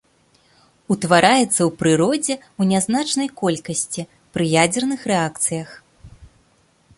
Утвараецца ў прыродзе ў нязначнай колькасці пры ядзерных рэакцыях.